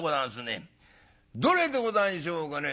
どれでござんしょうかね』